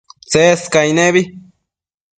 Tsescaic nebi